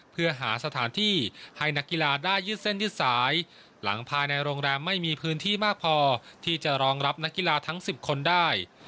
เพื่อหาสถานที่ให้นักกีฬาได้ยืดเส้นยืดสายหลังภายในโรงแรมไม่มีพื้นที่มากพอที่จะรองรับนักกีฬาทั้ง๑๐คนได้